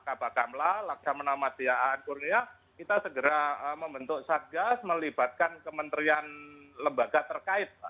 pak bapak kamla laksamana matiaan kurnia kita segera membentuk satgas melibatkan kementerian lembaga terkait pak